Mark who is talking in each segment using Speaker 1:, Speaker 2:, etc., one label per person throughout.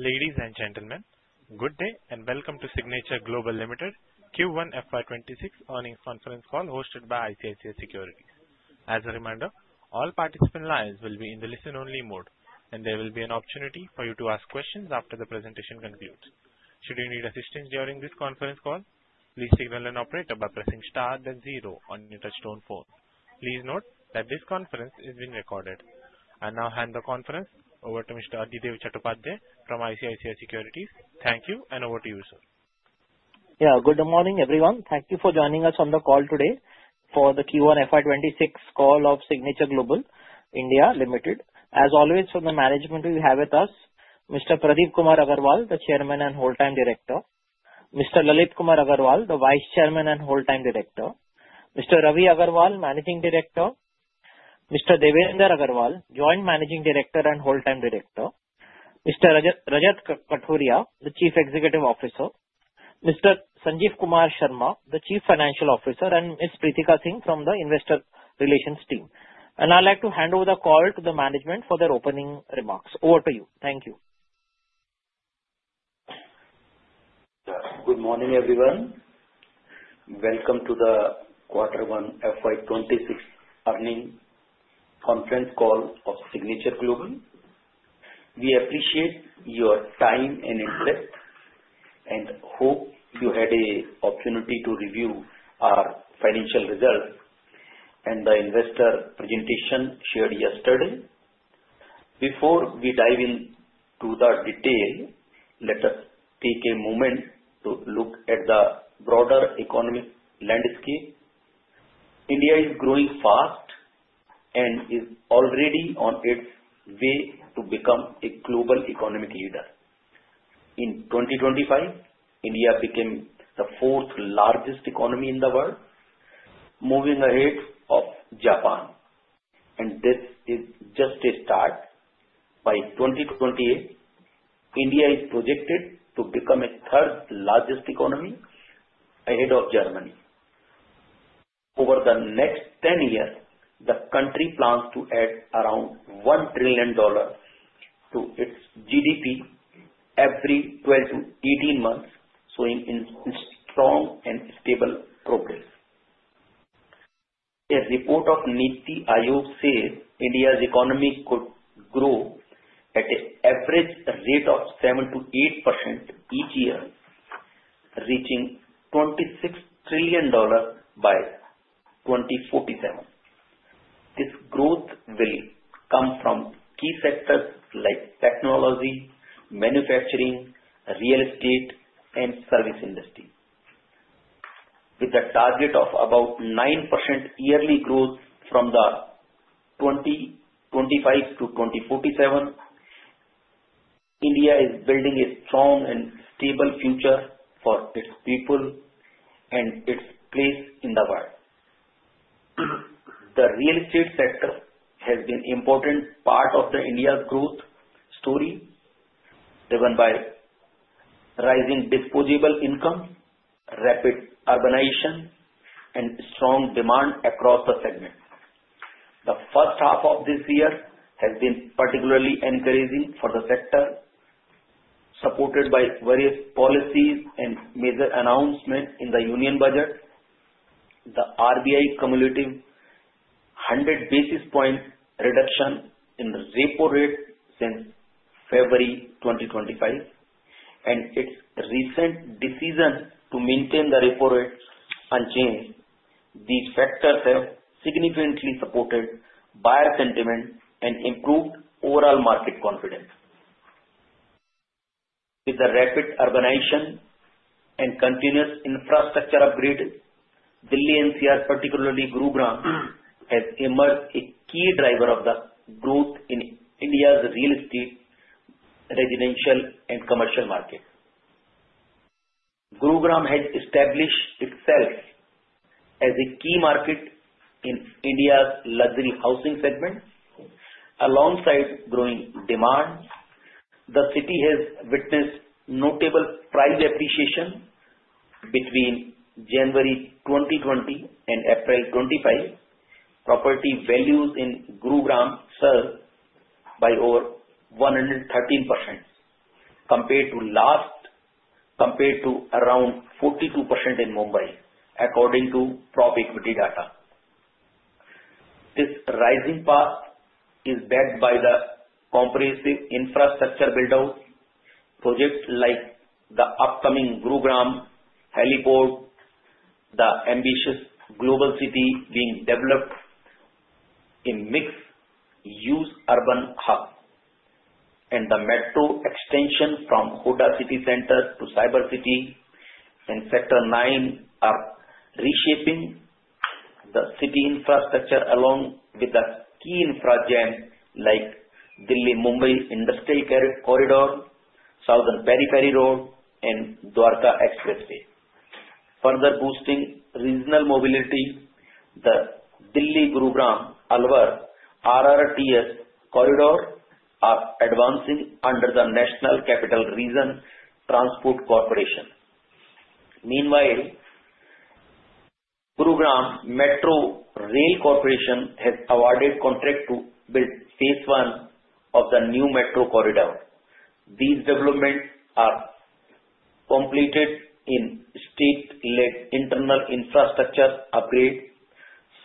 Speaker 1: Ladies and gentlemen, good day and welcome to Signature Global Limited Q1 FY 2026 Earnings Conference Call hosted by ICICI Securities. As a reminder, all participant lines will be in the listen-only mode, and there will be an opportunity for you to ask questions after the presentation concludes. Should you need assistance during this conference call, please signal an operator by pressing star then zero on your touch-tone phone. Please note that this conference is being recorded. I now hand the conference over to Mr. Adhidev Chattopadhyay from ICICI Securities. Thank you, and over to you, sir.
Speaker 2: Yeah, good morning, everyone. Thank you for joining us on the call today for the Q1 FY 2026 call of Signature Global (India) Limited. As always, from the management, we have with us Mr. Pradeep Kumar Aggarwal, the Chairman and Whole-Time Director, Mr. Lalit Kumar Aggarwal, the Vice Chairman and Whole-Time Director, Mr. Ravi Aggarwal, Managing Director, Mr. Devendra Aggarwal, Joint Managing Director and Whole-Time Director, Mr. Rajat Kathuria, the Chief Executive Officer, Mr. Sanjeev Kumar Sharma, the Chief Financial Officer, and Ms. Preetika Singh from the Investor Relations Team, and I'd like to hand over the call to the management for their opening remarks. Over to you. Thank you.
Speaker 3: Good morning, everyone. Welcome to the Q1 FY 2026 earnings conference call of Signature Global. We appreciate your time and interest, and hope you had an opportunity to review our financial results and the investor presentation shared yesterday. Before we dive into the detail, let us take a moment to look at the broader economic landscape. India is growing fast and is already on its way to become a global economic leader. In 2025, India became the fourth-largest economy in the world, moving ahead of Japan. And this is just a start. By 2028, India is projected to become a third-largest economy ahead of Germany. Over the next 10 years, the country plans to add around $1 trillion to its GDP every 12 to 18 months, showing strong and stable progress. A report of NITI Aayog says India's economy could grow at an average rate of 7%-8% each year, reaching $26 trillion by 2047. This growth will come from key sectors like technology, manufacturing, real estate, and the service industry. With a target of about 9% yearly growth from 2025 to 2047, India is building a strong and stable future for its people and its place in the world. The real estate sector has been an important part of India's growth story, driven by rising disposable income, rapid urbanization, and strong demand across the segment. The first half of this year has been particularly encouraging for the sector, supported by various policies and major announcements in the Union Budget, the RBI cumulative 100 basis point reduction in the repo rate since February 2025, and its recent decision to maintain the repo rate unchanged. These factors have significantly supported buyer sentiment and improved overall market confidence. With the rapid urbanization and continuous infrastructure upgrades, Delhi NCR, particularly Gurugram, has emerged as a key driver of the growth in India's real estate, residential, and commercial markets. Gurugram has established itself as a key market in India's luxury housing segment. Alongside growing demand, the city has witnessed notable price appreciation. Between January 2020 and April 2025, property values in Gurugram surged by over 113%, compared to around 42% in Mumbai, according to PropEquity data. This rising path is backed by the comprehensive infrastructure build-out projects like the upcoming Gurugram heliport, the ambitious Global City being developed in a mixed-use urban hub, and the metro extension from HUDA City Centre to Cyber City and Sector 9 are reshaping the city infrastructure along with key infra gems like the Delhi-Mumbai Industrial Corridor, Southern Peripheral Road, and Dwarka Expressway, further boosting regional mobility. The Delhi-Gurugram-Alwar RRTS corridors are advancing under the National Capital Region Transport Corporation. Meanwhile, Gurugram Metro Rail Corporation has awarded a contract to build phase I of the new metro corridor. These developments are complemented by state-led internal infrastructure upgrades,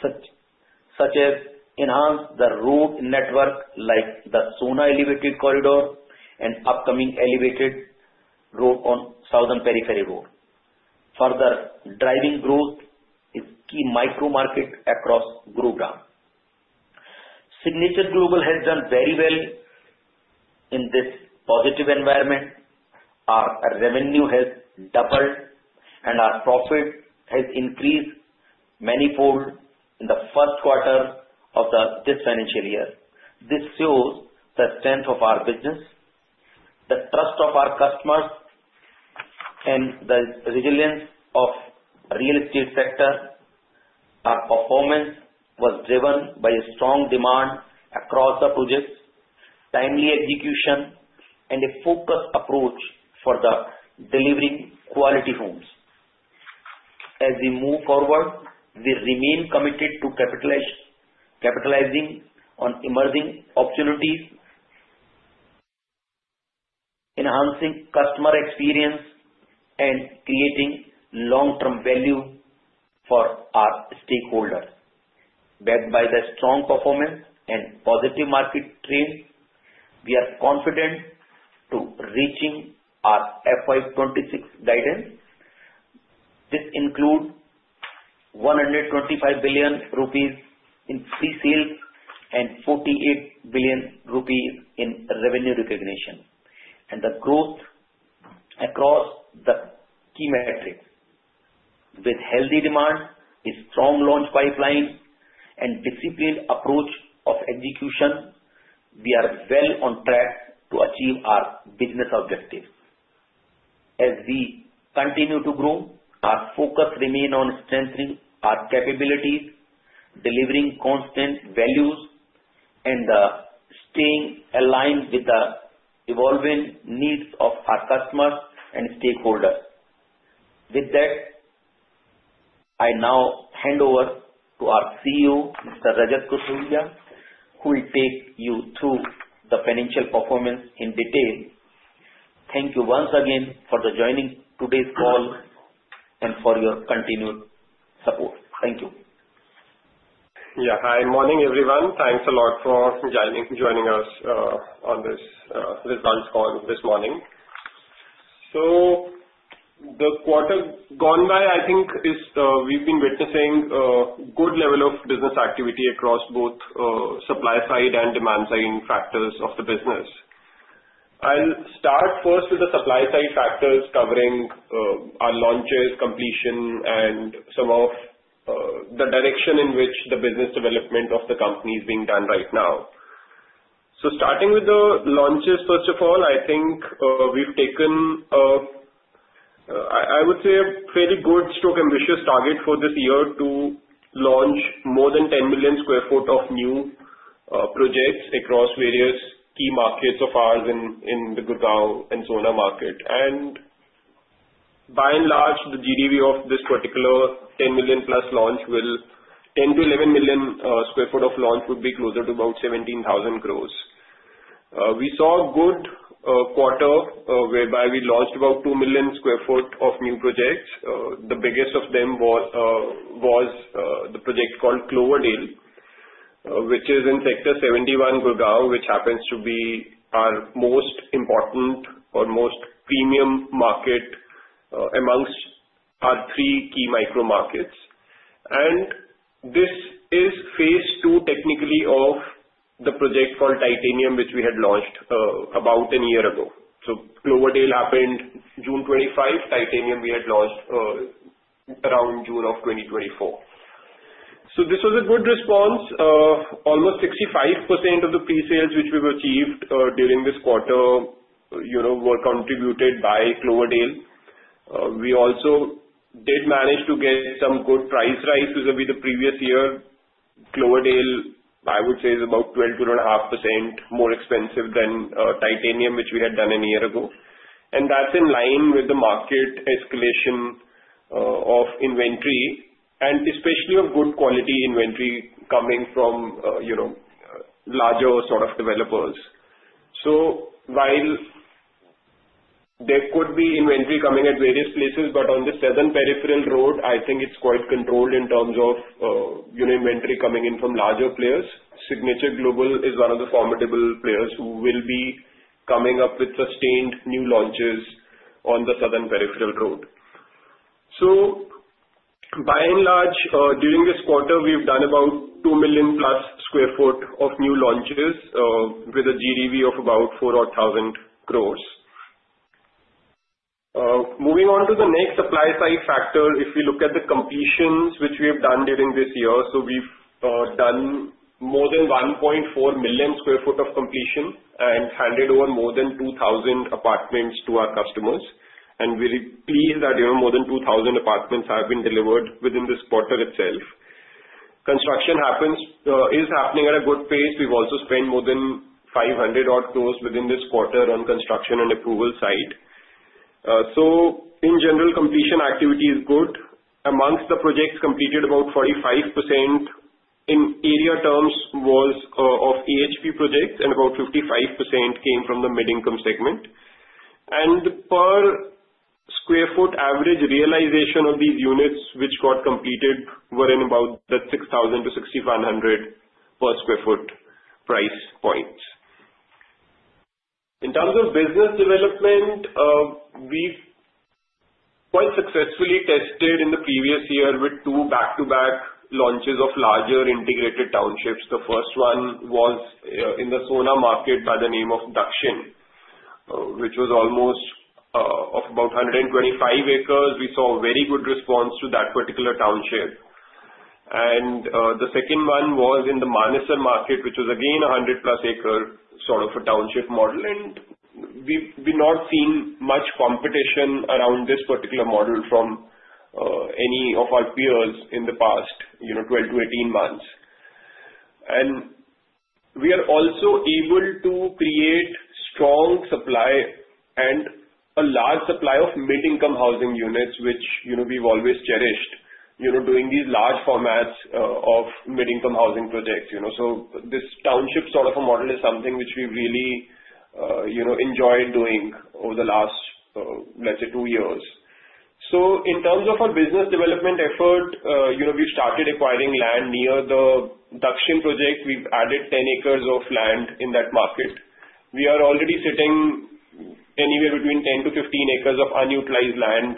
Speaker 3: such as enhancing the road network like the Sohna Elevated Corridor and upcoming elevated road on Southern Peripheral Road. Further driving growth is key micro-markets across Gurugram. Signature Global has done very well in this positive environment. Our revenue has doubled, and our profit has increased manifold in the first quarter of this financial year. This shows the strength of our business, the trust of our customers, and the resilience of the real estate sector. Our performance was driven by strong demand across the projects, timely execution, and a focused approach for delivering quality homes. As we move forward, we remain committed to capitalizing on emerging opportunities, enhancing customer experience, and creating long-term value for our stakeholders. Backed by strong performance and positive market trends, we are confident in reaching our FY 2026 guidance. This includes 125 billion rupees in pre-sales and 48 billion rupees in revenue recognition, and the growth across the key metrics, with healthy demand, a strong launch pipeline, and a disciplined approach to execution, we are well on track to achieve our business objectives. As we continue to grow, our focus remains on strengthening our capabilities, delivering constant values, and staying aligned with the evolving needs of our customers and stakeholders. With that, I now hand over to our CEO, Mr. Rajat Kathuria, who will take you through the financial performance in detail. Thank you once again for joining today's call and for your continued support. Thank you.
Speaker 4: Yeah, hi. Good morning, everyone. Thanks a lot for joining us on this launch call this morning. So the quarter gone by, I think, we've been witnessing a good level of business activity across both supply side and demand side factors of the business. I'll start first with the supply side factors covering our launches, completion, and some of the direction in which the business development of the company is being done right now. So starting with the launches, first of all, I think we've taken, I would say, a fairly good, strictly ambitious target for this year to launch more than 10 million square foot of new projects across various key markets of ours in the Gurugram and Sohna market. And by and large, the GDV of this particular 10 million-plus launch will be 10 million-11 million square foot of launch would be closer to about 17,000 crores. We saw a good quarter whereby we launched about 2 million square foot of new projects. The biggest of them was the project called Cloverdale, which is in Sector 71, Gurugram, which happens to be our most important or most premium market amongst our three key micro-markets. And this is phase II, technically, of the project called Titanium, which we had launched about a year ago. So Cloverdale happened June 25. Titanium, we had launched around June of 2024. So this was a good response. Almost 65% of the pre-sales which we've achieved during this quarter were contributed by Cloverdale. We also did manage to get some good price rise vis-à-vis the previous year. Cloverdale, I would say, is about 12% to 12.5% more expensive than Titanium, which we had done a year ago. And that's in line with the market escalation of inventory, and especially of good quality inventory coming from larger sort of developers. So while there could be inventory coming at various places, but on the Southern Peripheral Road, I think it's quite controlled in terms of inventory coming in from larger players. Signature Global is one of the formidable players who will be coming up with sustained new launches on the Southern Peripheral Road. So by and large, during this quarter, we've done about +2 million square foot of new launches with a GDV of about 400,000 crores. Moving on to the next supply side factor, if we look at the completions which we have done during this year, so we've done more than 1.4 million square foot of completion and handed over more than 2,000 apartments to our customers. We're pleased that more than 2,000 apartments have been delivered within this quarter itself. Construction is happening at a good pace. We've also spent more than 500 crores-odd within this quarter on construction and approval side. In general, completion activity is good. Amongst the projects completed, about 45% in area terms was of AHP projects, and about 55% came from the mid-income segment. Per square foot average realization of these units which got completed were in about the 6,000-6,100 per square foot price points. In terms of business development, we quite successfully tested in the previous year with two back-to-back launches of larger integrated townships. The first one was in the Sohna market by the name of Dakshin, which was almost about 125 acres. We saw a very good response to that particular township. The second one was in the Manesar market, which was again a +100 acre sort of a township model. We've not seen much competition around this particular model from any of our peers in the past 12-18 months. We are also able to create strong supply and a large supply of mid-income housing units, which we've always cherished, doing these large formats of mid-income housing projects. This township sort of a model is something which we really enjoyed doing over the last, let's say, two years. In terms of our business development effort, we've started acquiring land near the Dakshin project. We've added 10 acres of land in that market. We are already sitting anywhere between 10-15 acres of unutilized land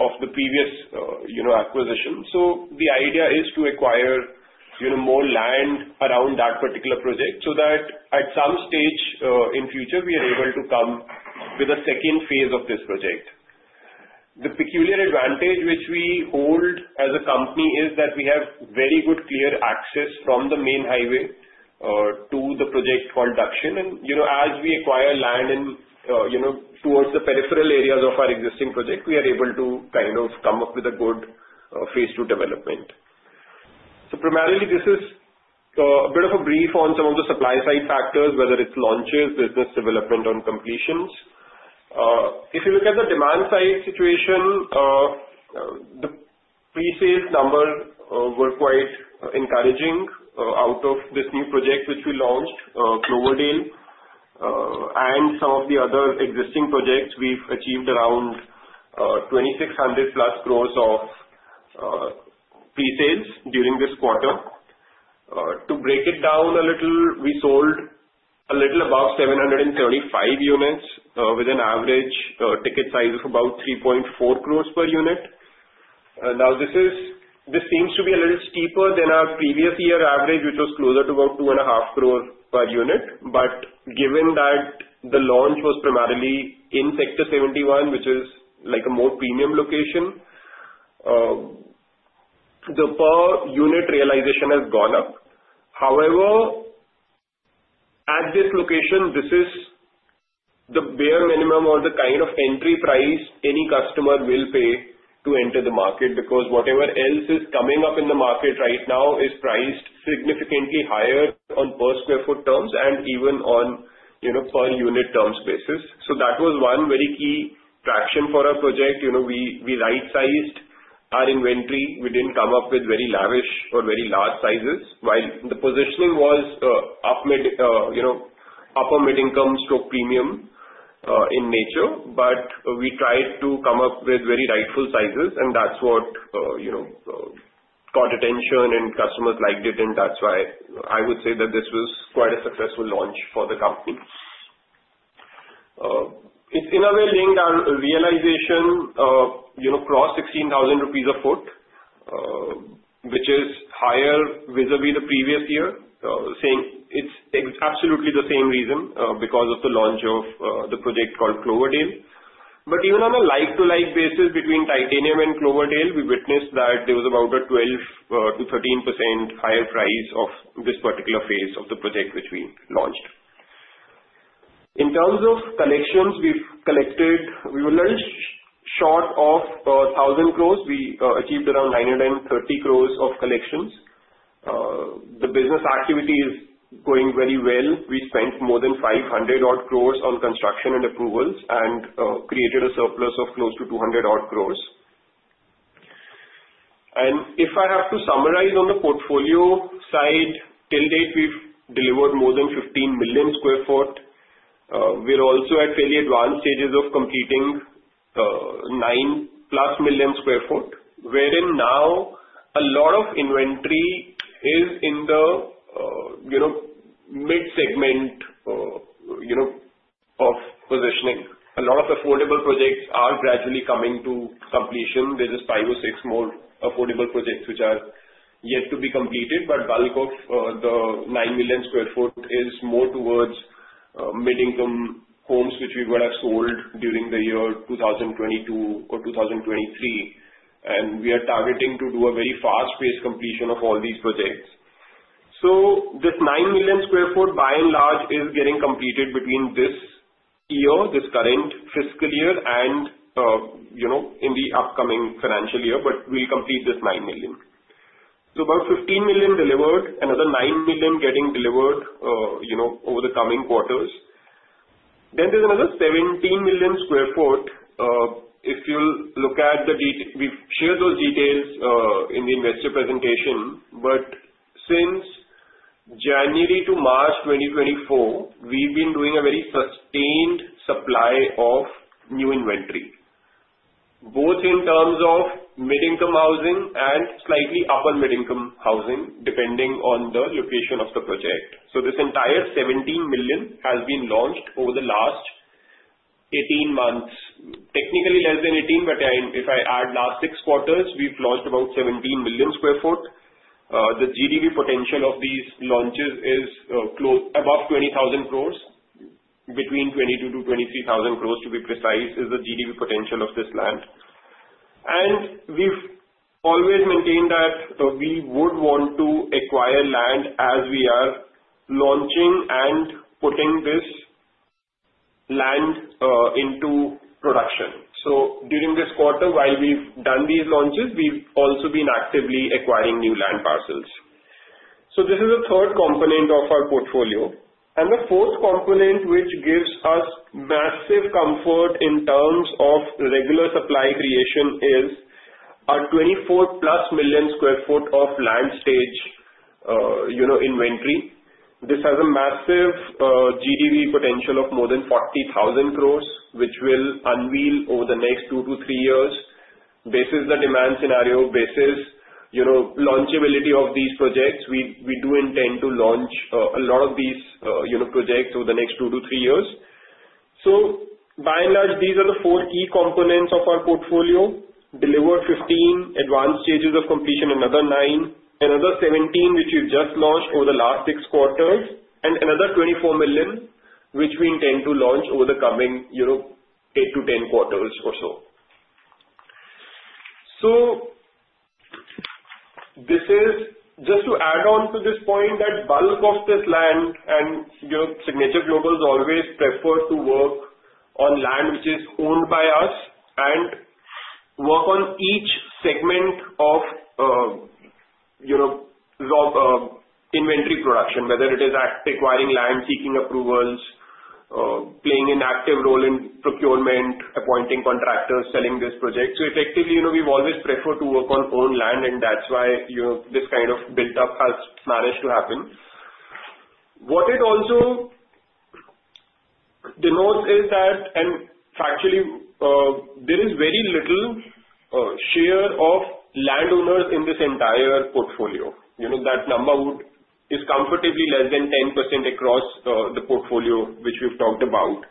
Speaker 4: of the previous acquisition. The idea is to acquire more land around that particular project so that at some stage in future, we are able to come with a second phase of this project. The peculiar advantage which we hold as a company is that we have very good clear access from the main highway to the project called Dakshin. And as we acquire land towards the peripheral areas of our existing project, we are able to kind of come up with a good phase II development. Primarily, this is a bit of a brief on some of the supply side factors, whether it's launches, business development, or completions. If you look at the demand side situation, the pre-sales numbers were quite encouraging out of this new project which we launched, Cloverdale, and some of the other existing projects. We've achieved around 2,600 crores-plus of pre-sales during this quarter. To break it down a little, we sold a little above 735 units with an average ticket size of about 3.4 crores per unit. Now, this seems to be a little steeper than our previous year average, which was closer to about 2.5 crores per unit. But given that the launch was primarily in Sector 71, which is a more premium location, the per-unit realization has gone up. However, at this location, this is the bare minimum or the kind of entry price any customer will pay to enter the market because whatever else is coming up in the market right now is priced significantly higher on per square foot terms and even on per-unit terms basis. So that was one very key traction for our project. We right-sized our inventory. We didn't come up with very lavish or very large sizes, while the positioning was upper mid-income stroke premium in nature. But we tried to come up with very rightful sizes, and that's what caught attention, and customers liked it. And that's why I would say that this was quite a successful launch for the company. It's in a way linked our realization across 16,000 rupees a foot, which is higher vis-à-vis the previous year, saying it's absolutely the same reason because of the launch of the project called Cloverdale. But even on a like-to-like basis between Titanium and Cloverdale, we witnessed that there was about a 12%-13% higher price of this particular phase of the project which we launched. In terms of collections, we've collected a little short of 1,000 crores. We achieved around 930 crores of collections. The business activity is going very well. We spent more than 500 crores-odd on construction and approvals and created a surplus of close to 200 crores-odd. And if I have to summarize on the portfolio side, till date, we've delivered more than 15 million square foot. We're also at fairly advanced stages of completing +9 million square foot, wherein now a lot of inventory is in the mid-segment of positioning. A lot of affordable projects are gradually coming to completion. There's just five or six more affordable projects which are yet to be completed, but bulk of the 9 million square foot is more towards mid-income homes which we would have sold during the year 2022 or 2023. And we are targeting to do a very fast-paced completion of all these projects. So this 9 million square foot, by and large, is getting completed between this year, this current fiscal year, and in the upcoming financial year, but we'll complete this nine million. So about 15 million delivered, another 9 million getting delivered over the coming quarters. Then there's another 17 million square foot. If you'll look at the detail, we've shared those details in the investor presentation. But since January to March 2024, we've been doing a very sustained supply of new inventory, both in terms of mid-income housing and slightly upper mid-income housing, depending on the location of the project. So this entire 17 million has been launched over the last 18 months. Technically, less than 18, but if I add last six quarters, we've launched about 17 million square foot. The GDV potential of these launches is above 20,000 crores, between 22,000 crores to 23,000 crores, to be precise, is the GDV potential of this land. And we've always maintained that we would want to acquire land as we are launching and putting this land into production. So during this quarter, while we've done these launches, we've also been actively acquiring new land parcels. So this is the third component of our portfolio. And the fourth component, which gives us massive comfort in terms of regular supply creation, is our +24 million square foot of land stage inventory. This has a massive GDV potential of more than 40,000 crores, which will unveil over the next two to three years, basis the demand scenario, basis launchability of these projects. We do intend to launch a lot of these projects over the next two to three years. By and large, these are the four key components of our portfolio: Delivered 15 million advanced stages of completion, another 9 million, another 17 million, which we've just launched over the last six quarters, and another 24 million, which we intend to launch over the coming 8 to 10 quarters or so. Just to add on to this point, the bulk of this land and Signature Global always prefer to work on land which is owned by us and work on each segment of inventory production, whether it is acquiring land, seeking approvals, playing an active role in procurement, appointing contractors, selling this project. So effectively, we've always preferred to work on own land, and that's why this kind of build-up has managed to happen. What it also denotes is that, and factually, there is very little share of landowners in this entire portfolio. That number is comfortably less than 10% across the portfolio which we've talked about,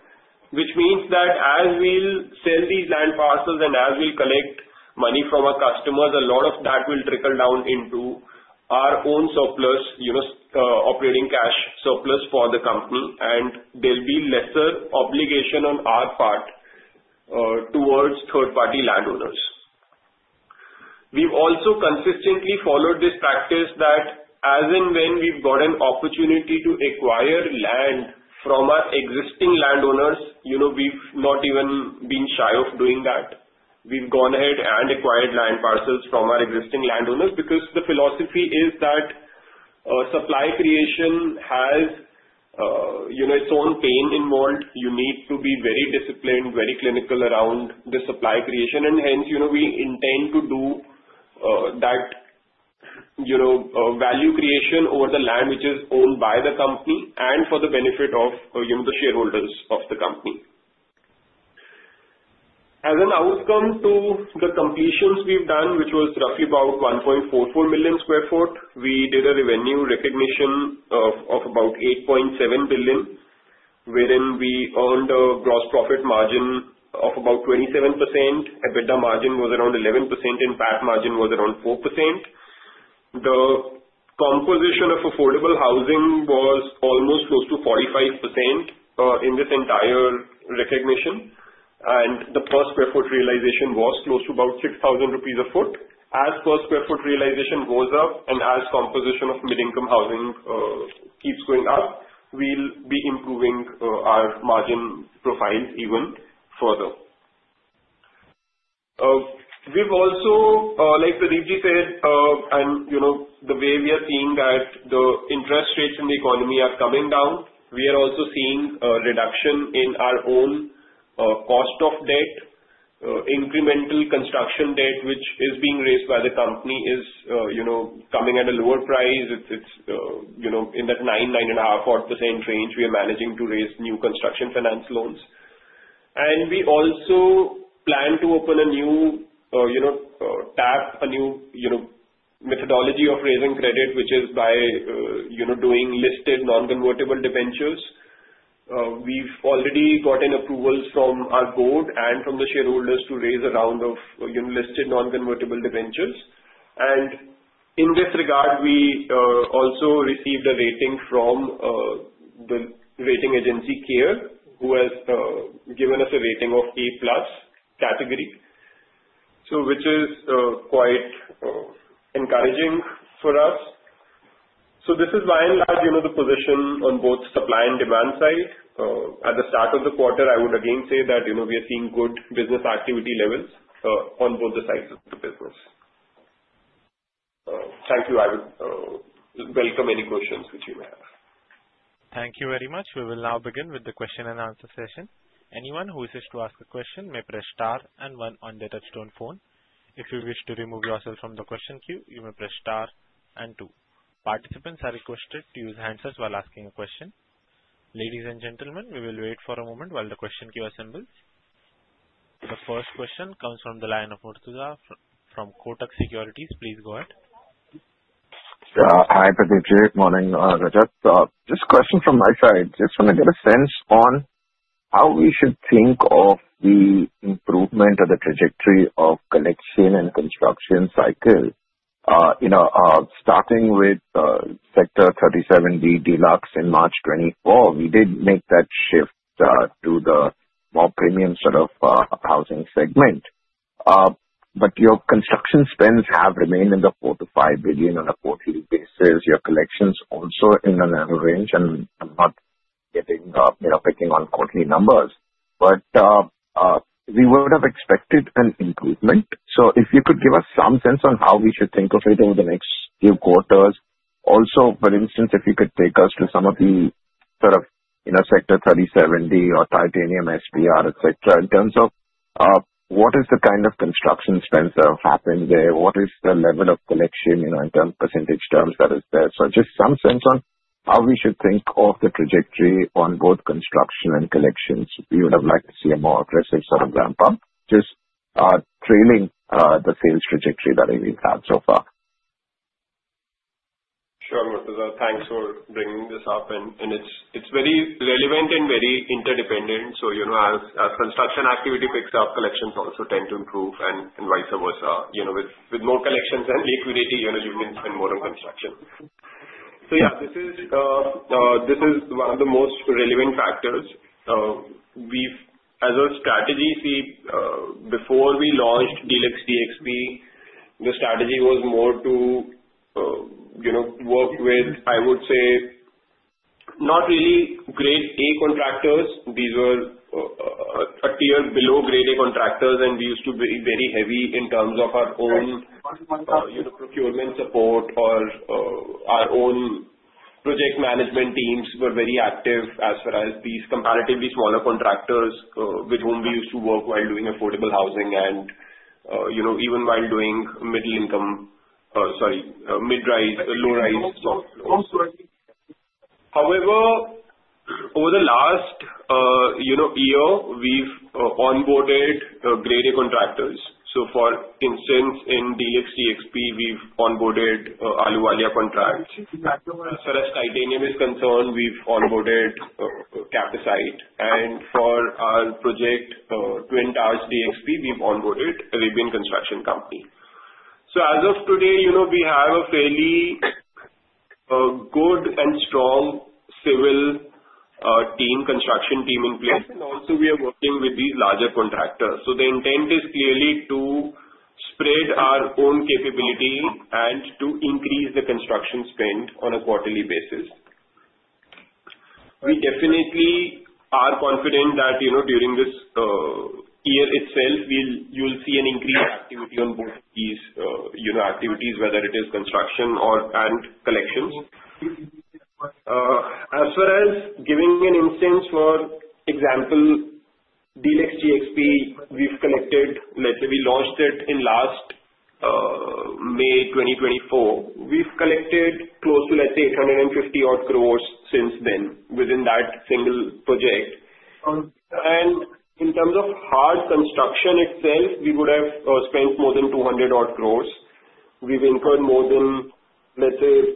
Speaker 4: which means that as we'll sell these land parcels and as we'll collect money from our customers, a lot of that will trickle down into our own surplus, operating cash surplus for the company, and there'll be lesser obligation on our part towards third-party landowners. We've also consistently followed this practice that as and when we've got an opportunity to acquire land from our existing landowners, we've not even been shy of doing that. We've gone ahead and acquired land parcels from our existing landowners because the philosophy is that supply creation has its own pain involved. You need to be very disciplined, very clinical around the supply creation. Hence, we intend to do that value creation over the land which is owned by the company and for the benefit of the shareholders of the company. As an outcome to the completions we've done, which was roughly about 1.44 million square foot, we did a revenue recognition of about 8.7 billion, wherein we earned a gross profit margin of about 27%. EBITDA margin was around 11%, and PAT margin was around 4%. The composition of affordable housing was almost close to 45% in this entire recognition. And the per square foot realization was close to about 6,000 rupees a square foot. As per square foot realization goes up and as composition of mid-income housing keeps going up, we'll be improving our margin profiles even further. We've also, like Pradeep ji said, and the way we are seeing that the interest rates in the economy are coming down, we are also seeing a reduction in our own cost of debt. Incremental construction debt, which is being raised by the company, is coming at a lower price. It's in that 9%, 9.5%, 10% range. We are managing to raise new construction finance loans. And we also plan to open a new tap, a new methodology of raising credit, which is by doing listed non-convertible debentures. We've already gotten approvals from our board and from the shareholders to raise a round of listed non-convertible debentures. And in this regard, we also received a rating from the rating agency, CARE, who has given us a rating of A+ category, which is quite encouraging for us. So this is, by and large, the position on both supply and demand side. At the start of the quarter, I would again say that we are seeing good business activity levels on both the sides of the business.
Speaker 3: Thank you. I would welcome any questions which you may have.
Speaker 1: Thank you very much. We will now begin with the question and answer session. Anyone who wishes to ask a question may press star and one on the touch-tone phone. If you wish to remove yourself from the question queue, you may press star and two. Participants are requested to use handsets while asking a question. Ladies and gentlemen, we will wait for a moment while the question queue assembles. The first question comes from the line of Murtuza from Kotak Securities. Please go ahead.
Speaker 5: Hi, Pradeep ji. Good morning, Rajat. Just a question from my side. Just want to get a sense on how we should think of the improvement of the trajectory of collection and construction cycle. Starting with Sector 37D De-Luxe in March 2024, we did make that shift to the more premium sort of housing segment. But your construction spends have remained in the 4 billion-5 billion on a quarterly basis. Your collection's also in the narrow range, and I'm not picking on quarterly numbers. But we would have expected an improvement. So if you could give us some sense on how we should think of it over the next few quarters. Also, for instance, if you could take us to some of the sort of Sector 37D or Titanium SPR, etc., in terms of what is the kind of construction spend that have happened there? What is the level of collection in terms of percentage terms that is there? So just some sense on how we should think of the trajectory on both construction and collections. We would have liked to see a more aggressive sort of ramp-up, just trailing the sales trajectory that we've had so far.
Speaker 4: Sure, Murtuza, thanks for bringing this up. And it's very relevant and very interdependent. So as construction activity picks up, collections also tend to improve and vice versa. With more collections and liquidity, you can spend more on construction. So yeah, this is one of the most relevant factors. As a strategy, before we launched DE-LUXE DXP, the strategy was more to work with, I would say, not really grade A contractors. These were tiered below grade A contractors, and we used to be very heavy in terms of our own procurement support. Our own project management teams were very active as far as these comparatively smaller contractors with whom we used to work while doing affordable housing and even while doing middle-income, sorry, mid-rise, low-rise soft loans. However, over the last year, we've onboarded grade A contractors. For instance, in DE-LUXE DXP, we've onboarded Ahluwalia Contracts. As far as Titanium is concerned, we've onboarded Capacit'e. For our project, Twin Towers DXP, we've onboarded Arabian Construction Company. As of today, we have a fairly good and strong civil team, construction team in place. Also, we are working with these larger contractors. The intent is clearly to spread our own capability and to increase the construction spend on a quarterly basis. We definitely are confident that during this year itself, you'll see an increased activity on both of these activities, whether it is construction and collections. As far as giving an instance, for example, De-Luxe DXP, we've collected. Let's say we launched it in last May 2024. We've collected close to, let's say, 850 crores-odd since then within that single project. And in terms of hard construction itself, we would have spent more than 200 crores-odd. We've incurred more than, let's say, 100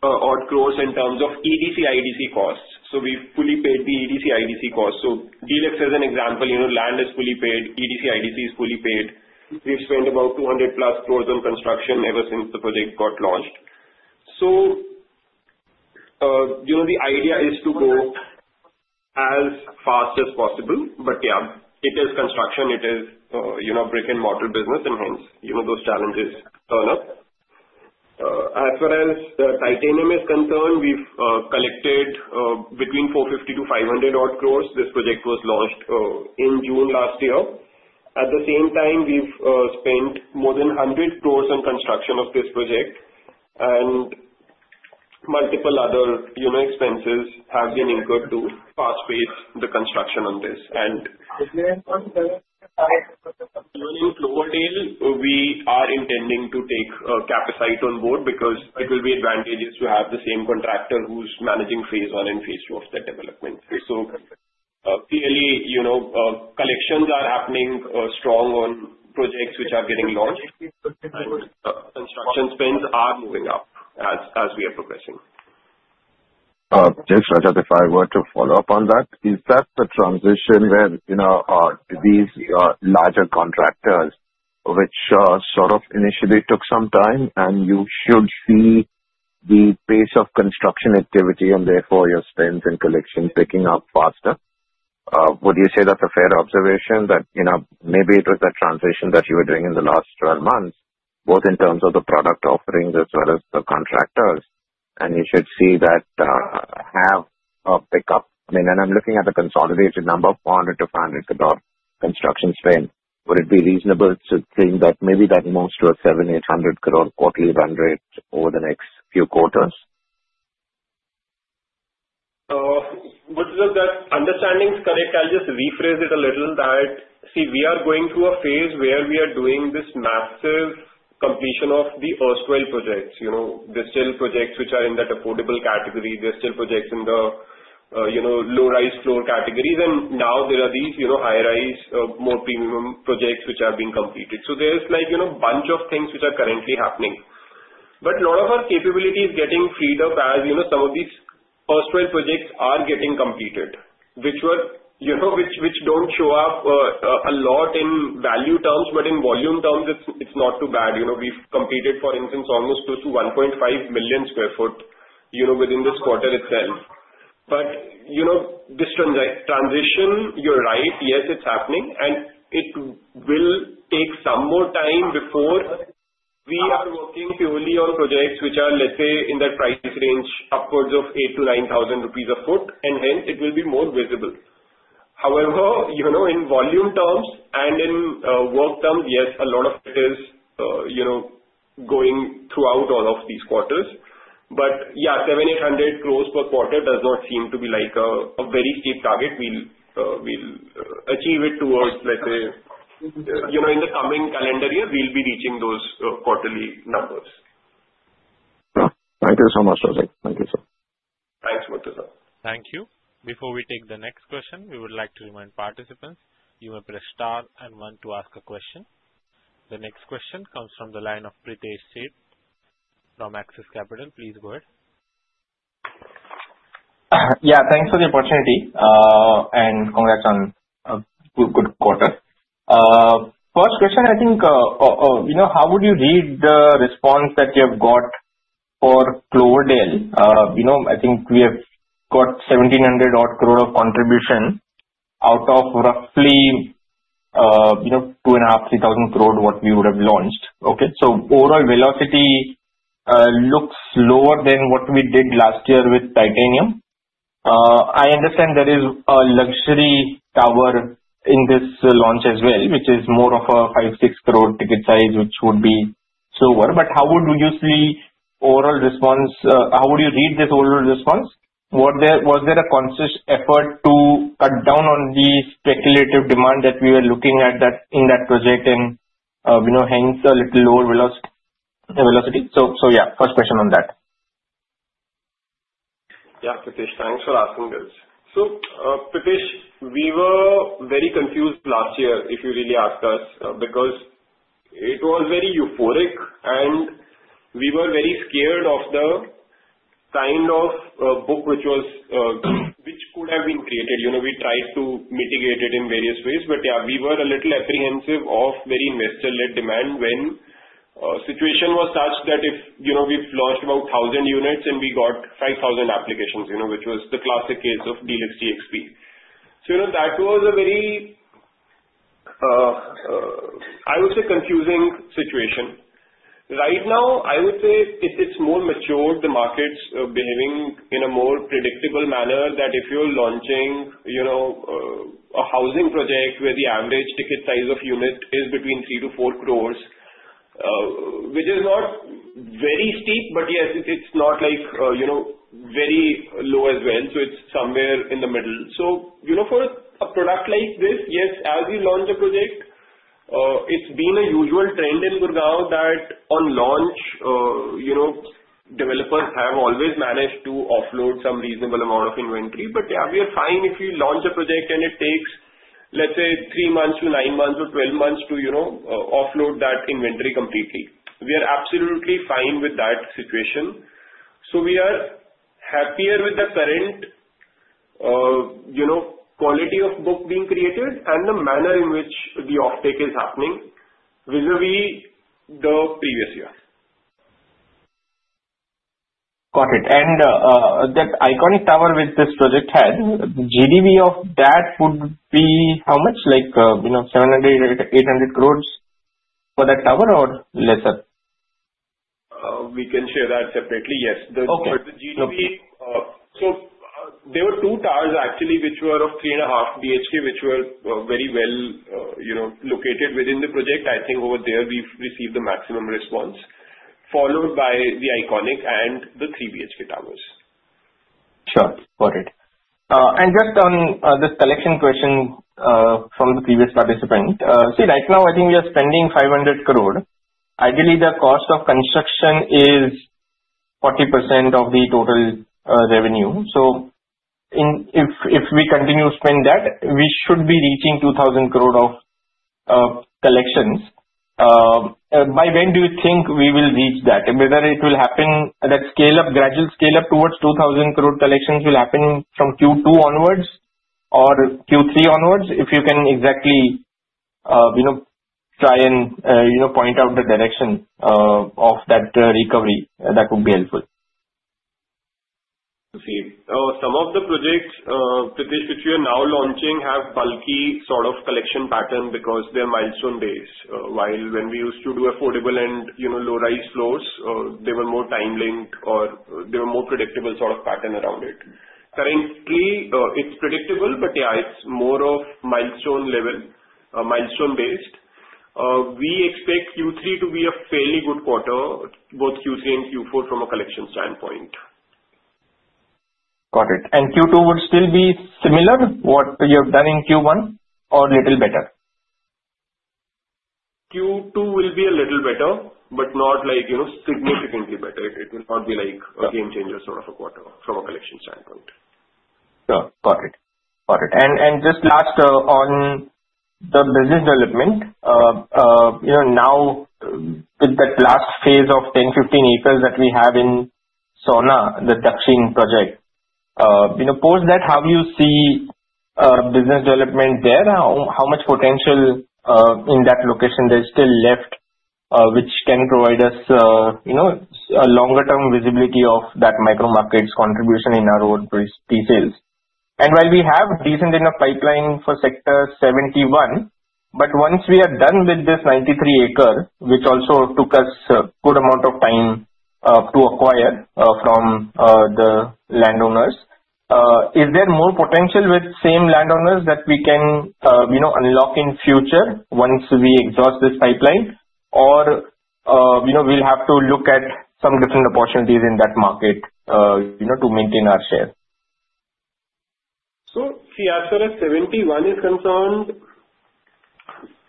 Speaker 4: crores-odd in terms of EDC/IDC costs. So we've fully paid the EDC/IDC costs. So De-Luxe, as an example, land is fully paid. EDC/IDC is fully paid. We've spent about 200 crores-plus on construction ever since the project got launched. So the idea is to go as fast as possible, but yeah, it is construction. It is brick-and-mortar business, and hence those challenges turn up. As far as Titanium is concerned, we've collected between 450 crore-500 crore. This project was launched in June last year. At the same time, we've spent more than 100 crore on construction of this project. Multiple other expenses have been incurred to fast-paced the construction on this. Here in Cloverdale, we are intending to take Capacit'e on board because it will be advantageous to have the same contractor who's managing phase I and phase II of the development. Clearly, collections are happening strong on projects which are getting launched. Construction spends are moving up as we are progressing.
Speaker 5: Just, Rajat, if I were to follow up on that, is that the transition where these larger contractors, which sort of initially took some time, and you should see the pace of construction activity and therefore your spends and collection picking up faster? Would you say that's a fair observation that maybe it was a transition that you were doing in the last 12 months, both in terms of the product offerings as well as the contractors? And you should see that have a pickup. I mean, and I'm looking at a consolidated number of 400 crore-500 crore-odd construction spend. Would it be reasonable to think that maybe that moves to a 700 crore-800 crore-odd quarterly run rate over the next few quarters?
Speaker 4: Murtuza, if that understanding is correct, I'll just rephrase it a little that, see, we are going through a phase where we are doing this massive completion of the erstwhile projects, the still projects which are in that affordable category, the still projects in the low-rise floor categories. And now there are these high-rise, more premium projects which are being completed. So there's a bunch of things which are currently happening. But a lot of our capability is getting freed up as some of these erstwhile projects are getting completed, which don't show up a lot in value terms, but in volume terms, it's not too bad. We've completed, for instance, almost close to 1.5 million square foot within this quarter itself. But this transition, you're right, yes, it's happening. And it will take some more time before we are working purely on projects which are, let's say, in that price range upwards of 8,000-9,000 rupees a foot. And hence, it will be more visible. However, in volume terms and in work terms, yes, a lot of it is going throughout all of these quarters. But yeah, 700 crore-800 crore per quarter does not seem to be a very steep target. We'll achieve it towards, let's say, in the coming calendar year, we'll be reaching those quarterly numbers.
Speaker 5: Thank you so much, Rajat. Thank you, sir.
Speaker 4: Thanks, Murtuza.
Speaker 1: Thank you. Before we take the next question, we would like to remind participants, you may press star and one to ask a question. The next question comes from the line of Pritesh Sheth from Axis Capital. Please go ahead.
Speaker 6: Yeah, thanks for the opportunity. And congrats on a good quarter. First question, I think, how would you read the response that you have got for Cloverdale? I think we have got 1,700-crore odd of contribution out of roughly 2,500 crore-3,000 crore what we would have launched. Okay. So overall velocity looks lower than what we did last year with Titanium. I understand there is a luxury tower in this launch as well, which is more of a 5 crore-6 crore ticket size, which would be slower. But how would you see overall response? How would you read this overall response? Was there a conscious effort to cut down on the speculative demand that we were looking at in that project and hence a little lower velocity? So yeah, first question on that.
Speaker 4: Yeah, Pritesh, thanks for asking this. So Pritesh, we were very confused last year, if you really ask us, because it was very euphoric, and we were very scared of the kind of book which could have been created. We tried to mitigate it in various ways, but yeah, we were a little apprehensive of very investor-led demand when the situation was such that if we've launched about 1,000 units and we got 5,000 applications, which was the classic case of De-Luxe DXP. So that was a very, I would say, confusing situation. Right now, I would say if it's more mature, the market's behaving in a more predictable manner that if you're launching a housing project where the average ticket size of unit is between 3 crore to 4 crore, which is not very steep, but yet, it's not very low as well. So it's somewhere in the middle. So for a product like this, yes, as we launch the project, it's been a usual trend in Gurugram that on launch, developers have always managed to offload some reasonable amount of inventory. But yeah, we are fine if we launch a project and it takes, let's say, three months to nine months or 12 months to offload that inventory completely. We are absolutely fine with that situation. So we are happier with the current quality of booking being created and the manner in which the offtake is happening vis-à-vis the previous year.
Speaker 6: Got it. And that iconic tower which this project had, the GDV of that would be how much? 700 crore-800 crore for that tower or lesser?
Speaker 4: We can share that separately. Yes.
Speaker 6: Okay.
Speaker 4: So there were two towers, actually, which were of 3.5 BHK, which were very well located within the project. I think over there, we received the maximum response, followed by the iconic and the 3 BHK towers.
Speaker 6: Sure. Got it. And just on this collection question from the previous participant, see, right now, I think we are spending 500 crore. Ideally, the cost of construction is 40% of the total revenue. So if we continue to spend that, we should be reaching 2,000 crore of collections. By when do you think we will reach that? Whether it will happen that gradual scale-up towards 2,000 crore collections will happen from Q2 onwards or Q3 onwards? If you can exactly try and point out the direction of that recovery, that would be helpful.
Speaker 4: Some of the projects, Pritesh, which we are now launching, have bulky sort of collection pattern because they're milestone-based. While when we used to do affordable and low-rise floors, they were more time-linked or there were more predictable sort of pattern around it. Currently, it's predictable, but yeah, it's more of milestone-based. We expect Q3 to be a fairly good quarter, both Q3 and Q4 from a collection standpoint.
Speaker 6: Got it. And Q2 would still be similar to what you have done in Q1 or a little better?
Speaker 4: Q2 will be a little better, but not significantly better. It will not be a game-changer sort of a quarter from a collection standpoint.
Speaker 6: Sure. Got it. And just last on the business development, now with that last phase of 10-15 acres that we have in Sohna, the Dakshin project, post that, how do you see business development there? How much potential in that location there's still left, which can provide us a longer-term visibility of that micro-market's contribution in our own pre-sales? And while we have decent enough pipeline for Sector 71, but once we are done with this 93-acre, which also took us a good amount of time to acquire from the landowners, is there more potential with same landowners that we can unlock in future once we exhaust this pipeline, or we'll have to look at some different opportunities in that market to maintain our share?
Speaker 4: So see, as far as 71 is concerned,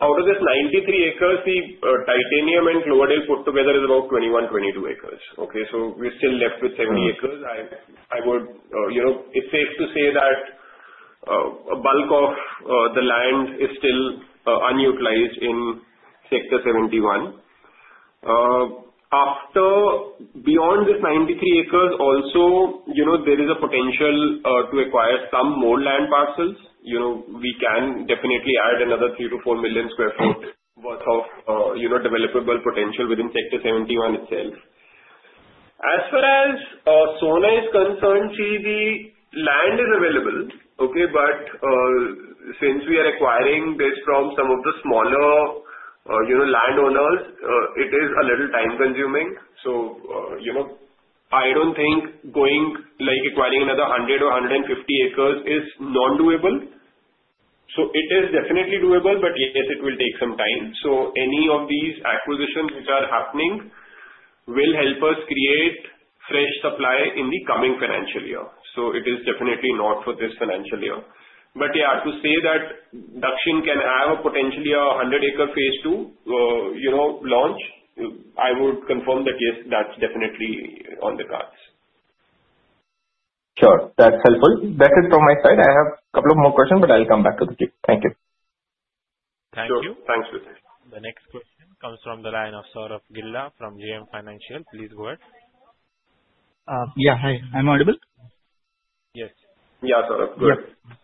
Speaker 4: out of this 93 acres, the Titanium and Cloverdale put together is about 21-22 acres. Okay. We're still left with 70 acres. I would say it's safe to say that a bulk of the land is still unutilized in Sector 71. Beyond this 93 acres, also, there is a potential to acquire some more land parcels. We can definitely add another 3 million to 4 million square foot worth of developable potential within Sector 71 itself. As far as Sohna is concerned, see, the land is available. Okay. But since we are acquiring this from some of the smaller landowners, it is a little time-consuming. So I don't think going acquiring another 100 or 150 acres is non-doable. So it is definitely doable, but yes, it will take some time. So any of these acquisitions which are happening will help us create fresh supply in the coming financial year. So it is definitely not for this financial year. But yeah, to say that Dakshin can have potentially a 100-acre phase II launch, I would confirm that, yes, that's definitely on the cards.
Speaker 6: Sure. That's helpful. That's it from my side. I have a couple of more questions, but I'll come back to the queue. Thank you.
Speaker 4: Thank you. Thanks, Pritesh.
Speaker 1: The next question comes from the line of Sourabh Gilda from JM Financial. Please go ahead.
Speaker 7: Yeah. Hi. I'm audible?
Speaker 4: Yes, Saurabh. Good.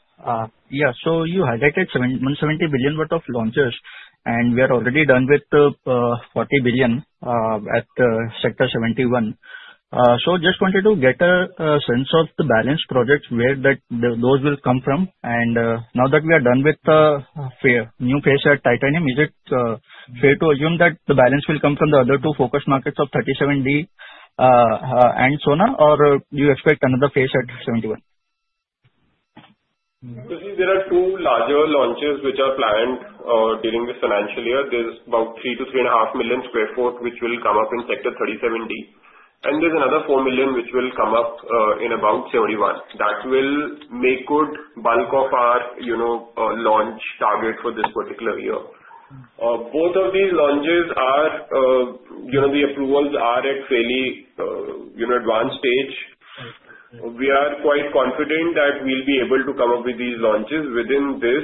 Speaker 7: Yeah. So you highlighted 170 billion worth of launches, and we are already done with the 40 billion at Sector 71. So just wanted to get a sense of the balance projects where those will come from. Now that we are done with the new phase at Titanium, is it fair to assume that the balance will come from the other two focus markets of 37D and Sohna, or do you expect another phase at 71?
Speaker 4: There are two larger launches which are planned during this financial year. There's about 3 million-3.5 million square foot which will come up in Sector 37D. And there's another 4 million which will come up in about 71. That will make good bulk of our launch target for this particular year. Both of these launches are the approvals are at fairly advanced stage. We are quite confident that we'll be able to come up with these launches within this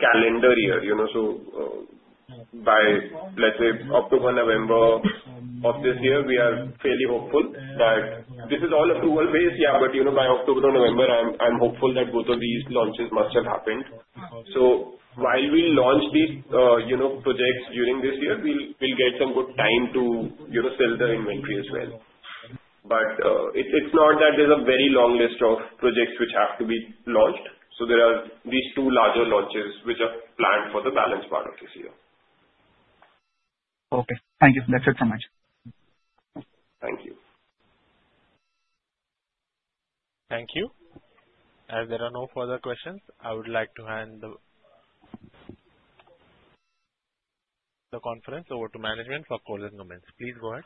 Speaker 4: calendar year. So by, let's say, October-November of this year, we are fairly hopeful that this is all approval-based. Yeah, but by October-November, I'm hopeful that both of these launches must have happened. So while we launch these projects during this year, we'll get some good time to sell the inventory as well. But it's not that there's a very long list of projects which have to be launched. So there are these two larger launches which are planned for the balance part of this year.
Speaker 7: Okay. Thank you. That's it from my side.
Speaker 4: Thank you.
Speaker 1: Thank you. And there are no further questions. I would like to hand the conference over to management for a couple of moments. Please go ahead.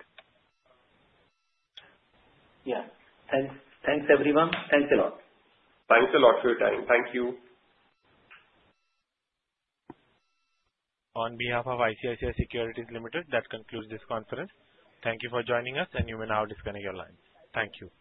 Speaker 3: Yeah. Thanks, everyone. Thanks a lot.
Speaker 4: Thanks a lot for your time. Thank you.
Speaker 1: On behalf of ICICI Securities Limited, that concludes this conference. Thank you for joining us, and you may now disconnect your lines. Thank you.